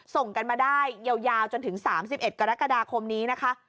ส่งกันมาได้ยาวจนถึง๓๑กรกฎาคมนี้นะคะ